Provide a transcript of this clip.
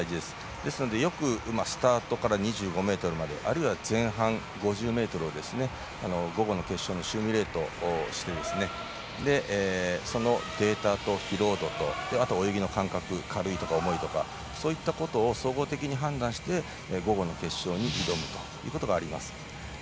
ですのでよくスタートから２５ｍまであるいは前半５０ｍを午後の決勝のシミュレートしてそのデータと疲労度と泳ぎの感覚軽いとか重いとかそういったことを総合的に判断して午後の決勝に挑むということがあります。